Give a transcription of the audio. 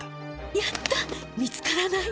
やった見つからない！